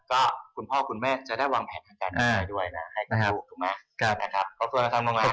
ก็คุณพ่อคุณแม่จะได้วางแผนขอก่อนไหนด้วยนะ